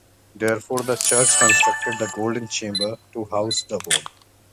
Therefore, the church constructed the Golden Chamber to house the bones.